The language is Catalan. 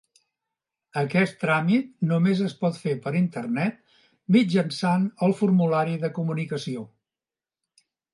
Aquest tràmit només es pot fer per internet mitjançant el formulari de comunicació.